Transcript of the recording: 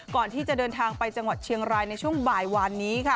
ก่อนที่จะเดินทางไปจังหวัดเชียงรายในช่วงบ่ายวานนี้ค่ะ